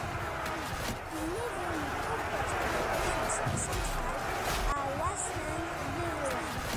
Il évolue au poste de défenseur central à Waasland-Beveren.